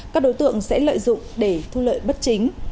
các đối tượng sẽ lợi dụng để thu lợi bất chính